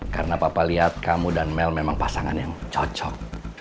karena papa lihat kamu dan mel memang pasangan yang cocok